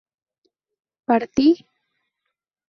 ¿partí?